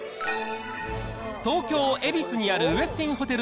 東京・恵比寿にあるウェスティンホテル